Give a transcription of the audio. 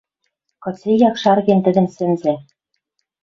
Кыце якшарген тӹдӹн сӹнзӓ.